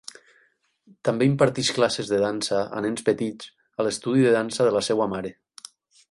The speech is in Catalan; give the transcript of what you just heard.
També imparteix classes de dansa a nens petits a l'estudi de dansa de la seva mare.